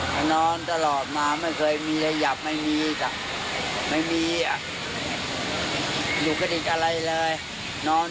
แล้วถ้ามันก็ไม่สมจำก็ออกมาข้างนอก